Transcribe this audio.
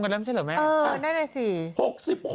เออนั่นอีกสิ